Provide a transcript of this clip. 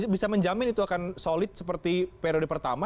bisa menjamin itu akan solid seperti periode pertama